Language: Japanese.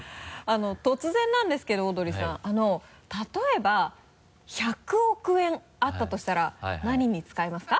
突然なんですけどオードリーさん例えば１００億円あったとしたら何に使いますか？